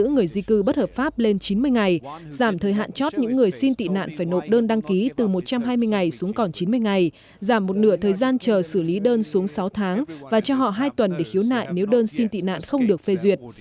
những người di cư bất hợp pháp lên chín mươi ngày giảm thời hạn chót những người xin tị nạn phải nộp đơn đăng ký từ một trăm hai mươi ngày xuống còn chín mươi ngày giảm một nửa thời gian chờ xử lý đơn xuống sáu tháng và cho họ hai tuần để khiếu nại nếu đơn xin tị nạn không được phê duyệt